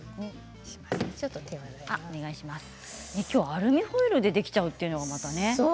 アルミホイルでできてしまうというのがね。